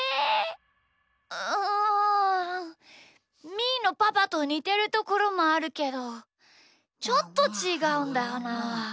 みーのパパとにてるところもあるけどちょっとちがうんだよなあ。